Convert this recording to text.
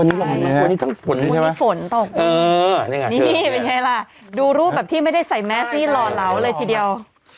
เออนี่ไงนี่เป็นไงล่ะดูรูปแบบที่ไม่ได้ใส่แมสนี่หล่อเหลาเลยทีเดียว